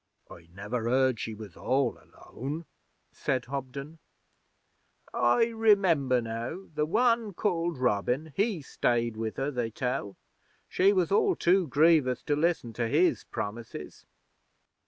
'I never heard she was all alone,' said Hobden. 'I remember now. The one called Robin, he stayed with her, they tell. She was all too grievious to listen to his promises.'